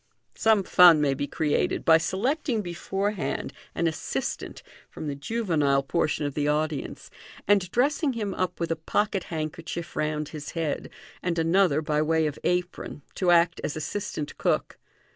Some fun may be created by selecting beforehand an assistant from the juvenile portion of the audience, and dressing him up with a pocket handkerchief round his head, and another by way of apron, to act as assistant cook.